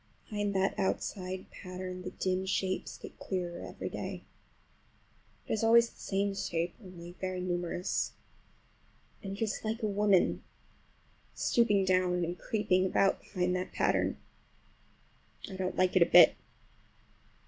Behind that outside pattern the dim shapes get clearer every day. It is always the same shape, only very numerous. And it is like a woman stooping down and creeping about behind that pattern. I don't like it a bit.